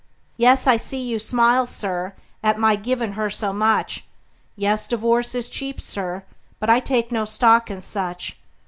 Yes, I see you smile, Sir, at my givin' her so much; Yes, divorce is cheap, Sir, but I take no stock in such!